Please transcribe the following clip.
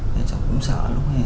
thì cháu cũng sợ lúc này